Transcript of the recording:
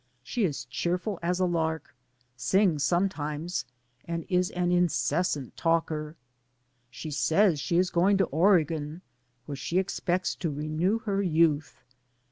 She is cheerful as a lark, sings sometimes, and is an incessant talker. She says she is going to Oregon, where she expects to renew her youth.